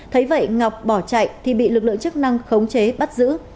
thấy vậy ngọc bỏ chạy thì bị lực lượng chức năng khống chế bắt giữ